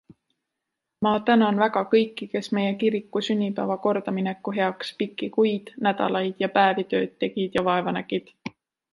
Ma tänan väga kõiki, kes meie kiriku sünnipäeva kordamineku heaks pikki kuid, nädalaid ja päevi tööd tegid ja vaeva nägid.